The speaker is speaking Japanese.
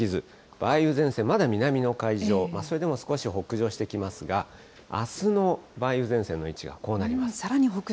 梅雨前線、まだ南の海上、それでも少し北上してきますが、あすの梅雨前線の位置がこうなります。